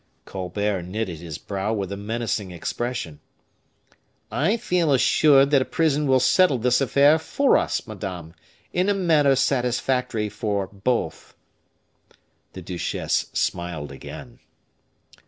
Colbert knitted his brow with a menacing expression. "I feel assured that a prison will settle this affair for us, madame, in a manner satisfactory for both." The duchesse smiled again.